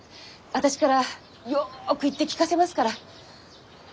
私からよく言って聞かせますから。